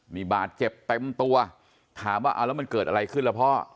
นี่บาดเจ็บเต็มตัวถามว่าเอาแล้วมันเกิดอะไรขึ้นล่ะพ่อ